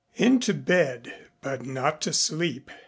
Into bed, but not to sleep.